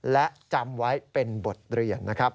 และจำไว้เป็นบทเรียนนะครับ